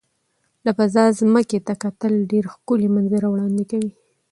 له فضا ځمکې ته کتل ډېر ښکلي منظره وړاندې کوي.